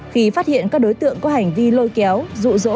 khi phát hiện các đối tượng có hành vi lôi kéo rụ rỗ